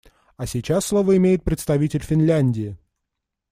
А сейчас слово имеет представитель Финляндии.